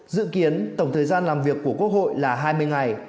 dự kiến tổng thời gian làm việc của quốc hội là hai mươi ngày